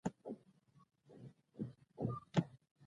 احمدشاه بابا د تاریخ یو تل پاتی نوم دی.